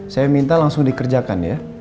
saya minta langsung dikerjakan ya